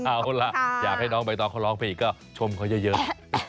เอาล่ะอยากให้น้องใบตองเขาร้องไปอีกก็ชมเขาเยอะ